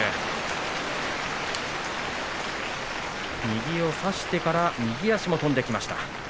右を差してから右足も飛んできました。